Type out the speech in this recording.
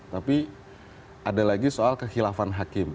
tapi ada lagi soal kekhilafan hakim